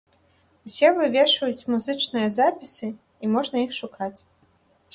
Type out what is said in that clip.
Усе вывешваюць музычныя запісы, і можна іх шукаць.